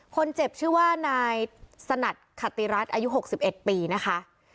คนเจ็บชื่อว่านายสนัดขติรัฐอายุ๖๑ปีนะคะ